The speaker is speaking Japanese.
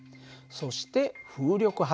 そして風力発電。